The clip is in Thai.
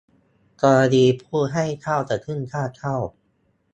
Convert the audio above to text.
กรณีผู้ให้เช่าจะขึ้นค่าเช่า